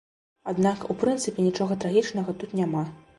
Аднак у прынцыпе нічога трагічнага тут няма.